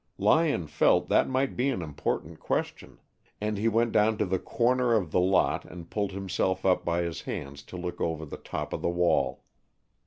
Lyon felt that might be an important question, and he went down to the corner of the lot and pulled himself up by his hands to look over the top of the wall.